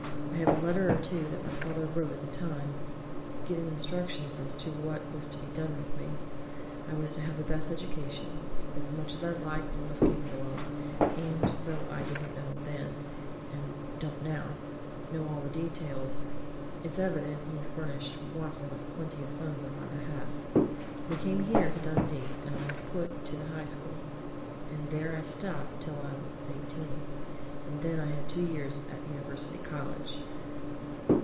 I have a letter or two that my father wrote at that time giving instructions as to what was to be done with me. I was to have the best education as much as I liked and was capable of and, though I didn't then, and don't now, know all the details, it's evident he furnished Watson with plenty of funds on my behalf. We came here to Dundee, and I was put to the High School, and there I stopped till I was eighteen, and then I had two years at University College.